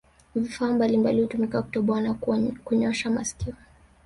Vifaa mbalimbali hutumika kutoboa na kunyosha masikio